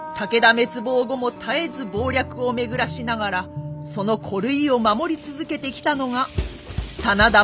滅亡後も絶えず謀略を巡らしながらその孤塁を守り続けてきたのが真田昌幸とその２人の息子。